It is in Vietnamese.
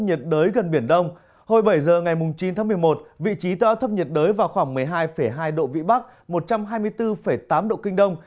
hồi bảy giờ ngày chín tháng một mươi một vị trí tựa áp thấp nhiệt đới vào khoảng một mươi hai hai độ vĩ bắc một trăm hai mươi bốn tám độ kinh đông